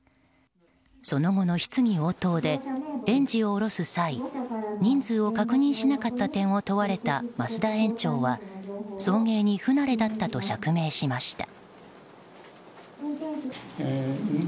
その後の質疑応答で園児を降ろす際人数を確認しなかった点を問われた増田園長は送迎に不慣れだったと釈明しました。